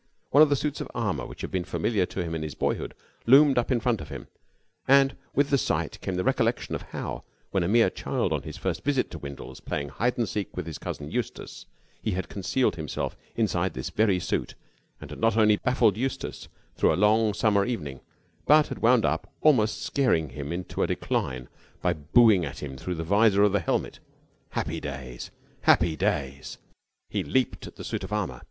One of the suits of armour which had been familiar to him in his boyhood loomed up in front of him, and with the sight came the recollection of how, when a mere child on his first visit to Windles, playing hide and seek with his cousin Eustace, he had concealed himself inside this very suit and had not only baffled Eustace through a long summer evening but had wound up by almost scaring him into a decline by booing at him through the vizor of the helmet. Happy days, happy days! He leaped at the suit of armour.